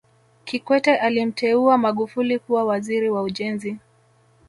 kikwete alimteua magufuli kuwa waziri wa ujenzi